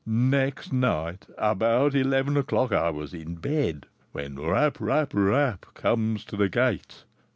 Next night, about eleven o'clock, I was in bed, when rap, rap, rap, comes to the gate.